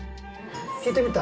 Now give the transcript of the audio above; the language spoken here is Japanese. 引いてみた？